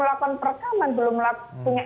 lapan perekaman belum punya